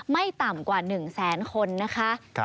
ไม่ต่ำกว่า๑๐๐๐๐๐คนนะคะ